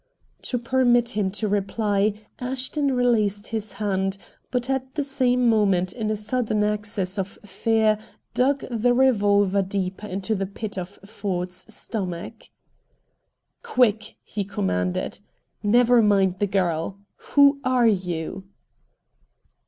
To permit him to reply Ashton released his hand, but at the same moment, in a sudden access of fear, dug the revolver deeper into the pit of Ford's stomach. "Quick!" he commanded. "Never mind the girl. WHO ARE YOU?"